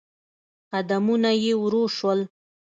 قدمونه يې ورو شول.